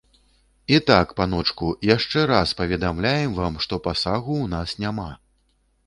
І так, паночку, яшчэ раз паведамляем вам, што пасагу ў нас няма.